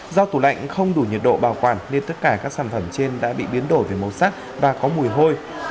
do tủ lạnh không đủ nhiệt độ bảo quản nên tất cả các sản phẩm trên đã bị biến đổi về màu sắc và có mùi hôi